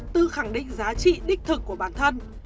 tự khẳng định giá trị đích thực của bản thân